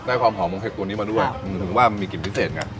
ได้ความหอมของเห็ดตัวนี้มาด้วยครับอืมถึงว่ามันมีกลิ่นพิเศษค่ะ